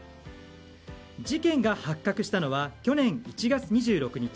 事件が発覚したのは去年１月２６日。